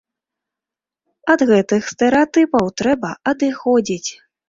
Ад гэтых стэрэатыпаў трэба адыходзіць.